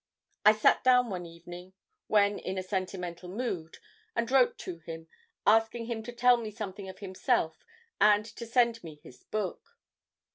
I sat down one evening when in a sentimental mood, and wrote to him, asking him to tell me something of himself and to send me his book.